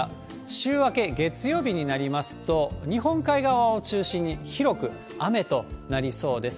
週明け月曜日になりますと、日本海側を中心に広く雨となりそうです。